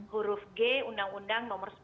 huruf g undang undang nomor sepuluh